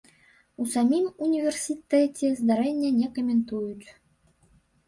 У самім універсітэце здарэнне не каментуюць.